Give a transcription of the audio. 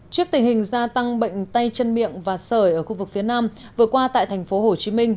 trước tình hình gia tăng bệnh tay chân miệng và sởi ở khu vực phía nam vừa qua tại thành phố hồ chí minh